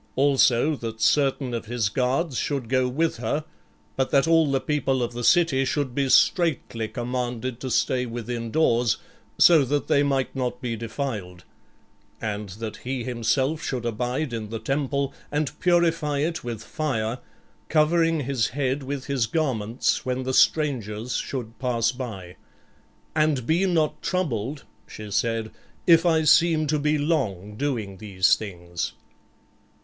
Also that certain of his guards should go with her, but that all the people of the city should be straitly commanded to stay within doors, that so they might not be defiled; and that he himself should abide in the temple and purify it with fire, covering his head with his garments when the strangers should pass by. "And be not troubled," she said, "if I seem to be long doing these things."